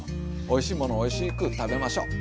おいしいものをおいしく食べましょう。